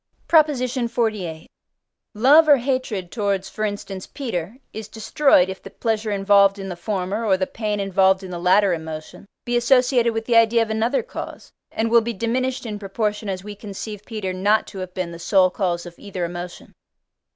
PROP. XLVIII. Love or hatred towards, for instance, Peter is destroyed, if the pleasure involved in the former, or the pain involved in the latter emotion, be associated with the idea of another cause: and will be diminished in proportion as we conceive Peter not to have been the sole cause of either emotion.